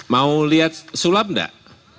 mau lihat sulap gak